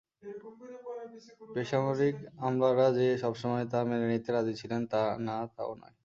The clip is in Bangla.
বেসামরিক আমলারা যে সবসময় তা মেনে নিতে রাজি ছিলেন না তাও নয়।